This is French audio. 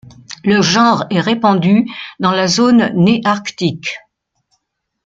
Le genre est répandu dans la zone Néarctique.